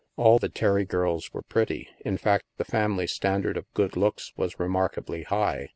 All the Terry girls were pretty; in fact, the family standard of good looks was re markably high.